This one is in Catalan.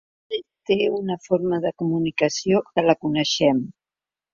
Ell té una forma de comunicació que la coneixem.